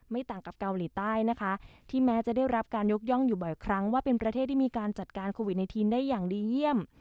ต่างกับเกาหลีใต้นะคะที่แม้จะได้รับการยกย่องอยู่บ่อยครั้งว่าเป็นประเทศที่มีการจัดการโควิด๑๙ได้อย่างดีเยี่ยม